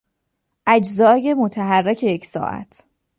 اجزای متحرک یک ساعت